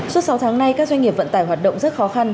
suốt sáu tháng nay các doanh nghiệp vận tải hoạt động rất khó khăn